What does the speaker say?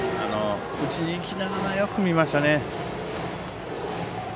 打ちに行きながらよく見ましたね。